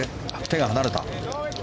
手が離れた。